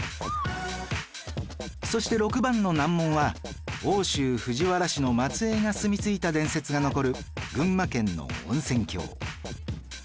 そして６番の難問は奥州藤原氏の末裔が住みついた伝説が残る群馬県の温泉郷